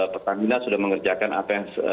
pertamina sudah mengerjakan apa yang